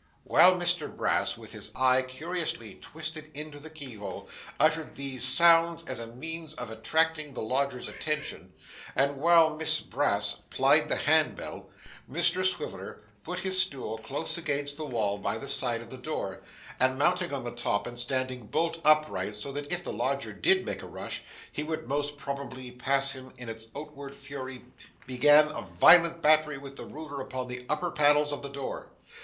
While Mr Brass, with his eye curiously twisted into the keyhole, uttered these sounds as a means of attracting the lodger's attention, and while Miss Brass plied the hand bell, Mr Swiveller put his stool close against the wall by the side of the door, and mounting on the top and standing bolt upright, so that if the lodger did make a rush, he would most probably pass him in its onward fury, began a violent battery with the ruler upon the upper panels of the door.